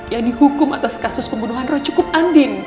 yang dihukum atas kasus pembunuhan roy cukup andin